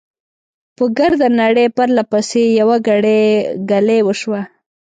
په ګرده نړۍ، پرله پسې، يوه ګړۍ، ګلۍ وشوه .